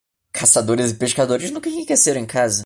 Caçadores e pescadores nunca enriqueceram em casa.